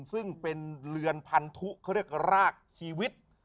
ซึ่งเป็นเรือนพันธุเขาเรียกรากชีวิต